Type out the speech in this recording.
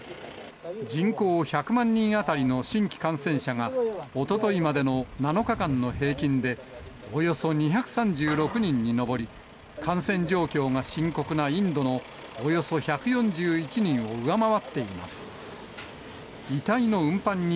人口１００万人当たりの新規感染者が、おとといまでの７日間の平均で、およそ２３６人に上り、感染状況が深刻なインドのおよそ１４１人を上回っています。